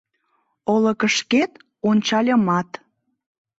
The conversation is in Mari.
Олыкышкет ончальымат